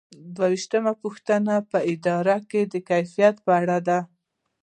دوه ویشتمه پوښتنه په اداره کې د کفایت په اړه ده.